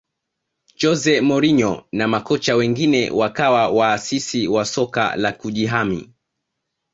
jose mourinho na makocha wengine wakawa waasisi wa soka la kujihami